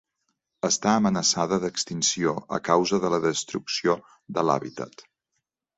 Està amenaçada d'extinció a causa de la Destrucció de l'hàbitat.